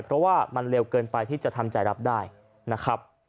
เพราะว่ามันเร็วเกินไปที่จะทำใจรับได้นะครับ